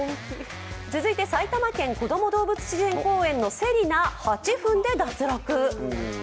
続いて埼玉こども動物公園のセリナ、８分で脱落。